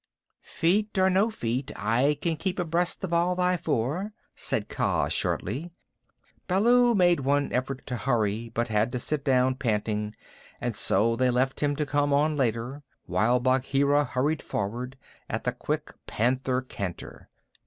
"Feet or no feet, I can keep abreast of all thy four," said Kaa shortly. Baloo made one effort to hurry, but had to sit down panting, and so they left him to come on later, while Bagheera hurried forward, at the quick panther canter.